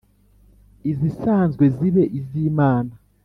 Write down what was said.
izisanzwe zibe iz Imana